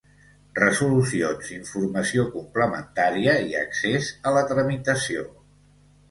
Resolucions, informació complementaria i accés a la tramitació.